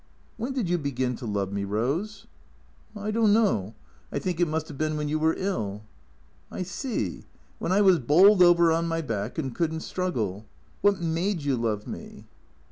" When did you begin to love me, Rose ?" 54 THECKEATORS " I don't know. I think it must have been when you were ill." " I see. When I was bowled over on my back and could n't struggle. What made you love me